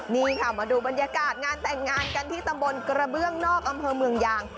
นี่ค่ะมาดูบรรยากาศงานแต่งงานกันที่ตำบลกระเบื้องนอกอำเภอเมืองยาง